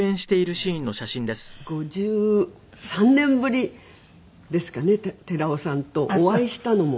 ５３年ぶりですかね寺尾さんとお会いしたのも。